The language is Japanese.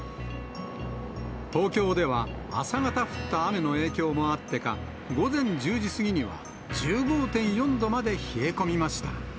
東京では、朝方降った雨の影響もあってか、午前１０時過ぎには１５．４度まで冷え込みました。